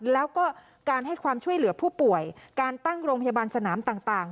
แล้วก็การให้ความช่วยเหลือผู้ป่วยการตั้งโรงพยาบาลสนามต่าง